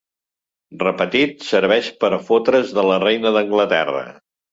Repetit, serveix per fotre's de la reina d'Anglaterra.